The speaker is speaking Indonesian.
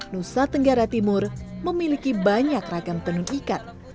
nusa tenggara timur memiliki banyak ragam tenun ikat